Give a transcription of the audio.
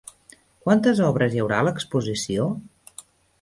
Quantes obres hi haurà a l'exposició?